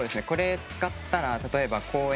これ使ったら例えばほ。